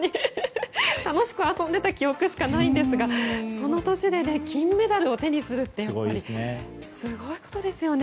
楽しく遊んでた記憶しかないんですがその年で金メダルを手にするってすごいことですよね。